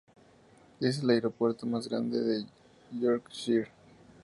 Es el aeropuerto más grande en Yorkshire.